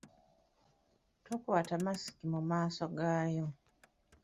Tokwata masiki mu maaso gaayo.